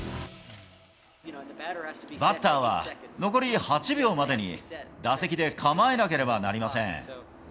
バッターは、残り８秒までに打席で構えなければなりません。